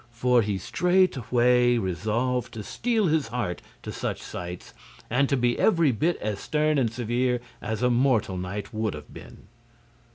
For he straightway resolved to steel his heart to such sights and to be every bit as stern and severe as a mortal knight would have been.